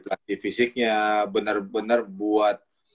klasifiknya bener bener buat